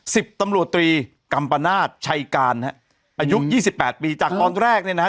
สิบตำรวจตรีกัมปนาศชัยการฮะอายุยี่สิบแปดปีจากตอนแรกเนี่ยนะฮะ